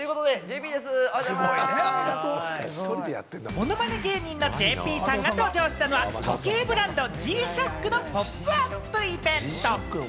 ものまね芸人のＪＰさんが登場したのは、時計ブランド・Ｇ−ＳＨＯＣＫのポップアップイベント。